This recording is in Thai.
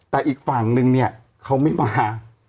แต่อีกฝั่งนึงเนี่ยเขาไม่มา